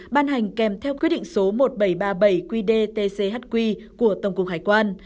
ban hành kèm theo quyết định số một nghìn bảy trăm ba mươi bảy qd tchq của tổng cục hải quan